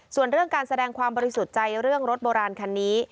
ส่วนเรื่องการแสดงความบริสุทธิ์ใจเรื่องรถโบราณคันนี้